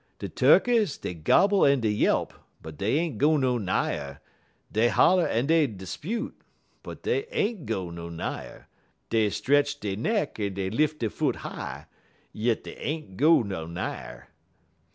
De turkeys dey gobble en dey yelp, but dey ain't go no nigher; dey holler en dey 'spute, but dey ain't go no nigher; dey stretch dey neck en dey lif' dey foot high, yit dey ain't go no nigher.